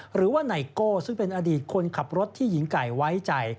หรือว่าไนโก้ซึ่งเป็นอดีตคนขับรถที่หญิงไก่ไว้ใจ